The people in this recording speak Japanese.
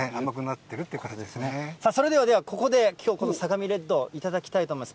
それではここで、きょう、この相模レッド、頂きたいと思います。